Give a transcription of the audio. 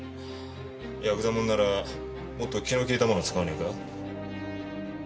ヤクザもんならもっと気の利いたもの使わねえか？